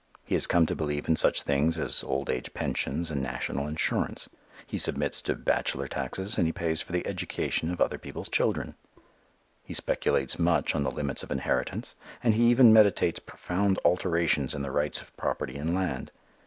He has come to believe in such things as old age pensions and national insurance. He submits to bachelor taxes and he pays for the education of other people's children; he speculates much on the limits of inheritance, and he even meditates profound alterations in the right of property in land.